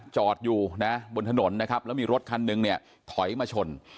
จอดอยู่บนถนนแล้วมีรถคันหนึ่งถอยมาชน